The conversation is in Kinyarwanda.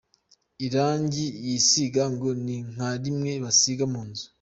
Irangi yisiga ngo ni nka rimwe basiga ku mazu.